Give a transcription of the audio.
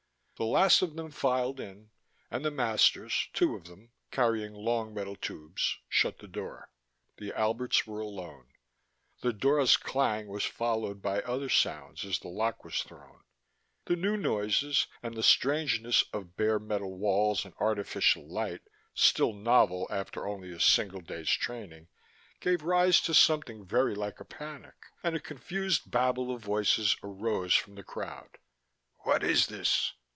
The last of them filed in, and the masters two of them, carrying long metal tubes shut the door. The Alberts were alone. The door's clang was followed by other sounds as the lock was thrown. The new noises, and the strangeness of bare metal walls and artificial light, still novel after only a single day's training, gave rise to something very like a panic, and a confused babble of voices arose from the crowd. "What is this?"